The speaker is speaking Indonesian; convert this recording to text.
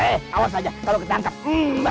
eh awas aja kalau ketangkep